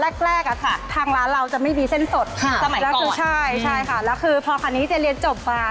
แรกแรกอะค่ะทางร้านเราจะไม่มีเส้นสดค่ะสมัยแรกคือใช่ใช่ค่ะแล้วคือพอคันนี้เจ๊เรียนจบมา